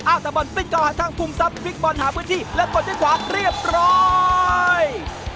อาวุธบอลปิ๊กก่อหันทางพุ่มซับพลิกบอลหาพื้นที่และปลดให้ขวาเรียบร้อย